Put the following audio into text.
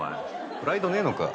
プライドねえのか。